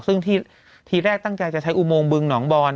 ซึ่งที่ทีแรกตั้งใจจะใช้อุโมงบึงหนองบอน